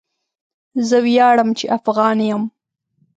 زه وياړم چي افغان يم.